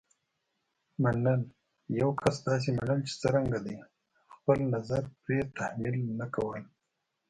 منل: یو کس داسې منل چې څرنګه دی. خپل نظر پرې تحمیل نه کول.